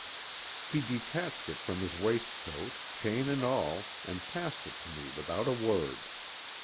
He detached it from his waistcoat, chain and all, and passed it to me without a word.